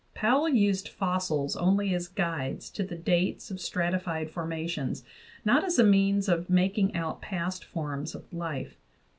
Powell used fossils only as guides to the dates of stratified formations, not as a means of making out past forms of life.